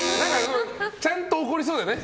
ちゃんと怒りそうだよね。